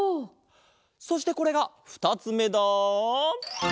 そしてこれがふたつめだ。